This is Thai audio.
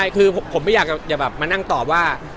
คือผมไม่อยากมานั่งตอบว่า